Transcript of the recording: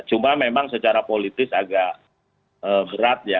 cuma memang secara politis agak berat ya